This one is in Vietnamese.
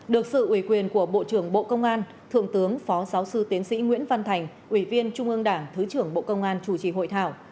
được sự ủy quyền của bộ trưởng bộ công an thượng tướng phó giáo sư tiến sĩ nguyễn văn thành ủy viên trung ương đảng thứ trưởng bộ công an chủ trì hội thảo